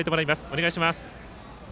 お願いします。